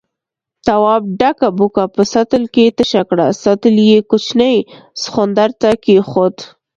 تواب ډکه بوکه په سطل کې تشه کړه، سطل يې کوچني سخوندر ته کېښود.